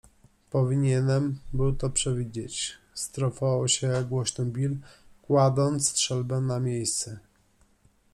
- Powinienem był to przewidzieć - strofował się głośno Bill, kładąc strzelbę na miejsce. -